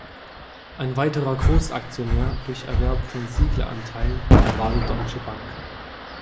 Ein weiterer Großaktionär durch Erwerb von Siegle-Anteilen war die Deutsche Bank.